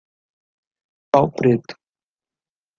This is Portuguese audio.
Pau preto